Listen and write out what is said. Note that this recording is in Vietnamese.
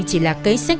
chỉ là cái sách